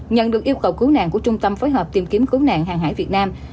nhận được yêu cầu cứu nạn của trung tâm phối hợp tìm kiếm cứu nạn hàng hải việt nam